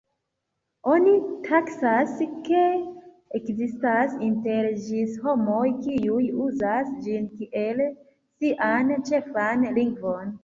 Oni taksas, ke ekzistas inter ĝis homoj, kiuj uzas ĝin kiel sian ĉefan lingvon.